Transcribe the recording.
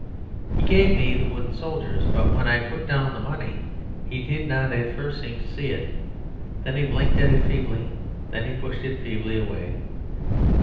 He gave me the wooden soldiers, but when I put down the money he did not at first seem to see it; then he blinked at it feebly, and then he pushed it feebly away.